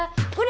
gak ada gulanya